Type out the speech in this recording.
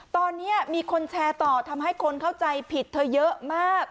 ตอนนี้มีคนแชร์ต่อทำให้คนเข้าใจผิดเธอเยอะมาก